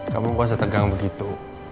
kamu bukan setegang begitu